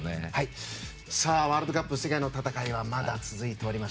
ワールドカップ世界の戦いはまだ続いています。